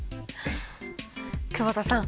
久保田さん